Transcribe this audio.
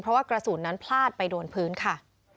เพราะว่ากระสุนนั้นพลาดไปโดนพื้นค่ะ